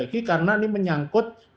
dan juga ada banyak yang harus dinyangkut